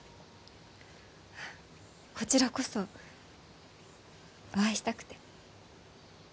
あこちらこそお会いしたくて。